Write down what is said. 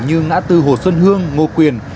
như ngã tư hồ xuân hương ngô quyền